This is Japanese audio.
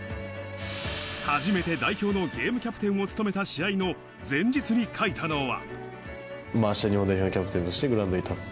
初めて代表のゲームキャプテンを務めた試合の前日に書いたのは。